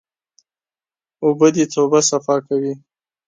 اوبه د توبه صفا کوي.